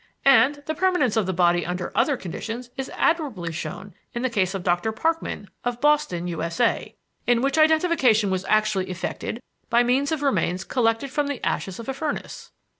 And the permanence of the body under other conditions is admirably shown in the case of Doctor Parkman, of Boston, U. S. A., in which identification was actually effected by means of remains collected from the ashes of a furnace."